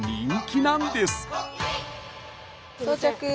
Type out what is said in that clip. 到着！